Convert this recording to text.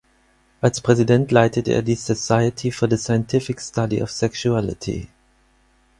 Als Präsident leitete er die Society for the Scientific Study of Sexuality.